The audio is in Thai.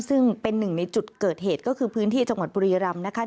ซึ่งเป็นหนึ่งในจุดเกิดเหตุก็คือพื้นที่จังหวัดบุรีรำนะคะ